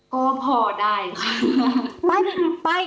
ก็พอได้ค่ะ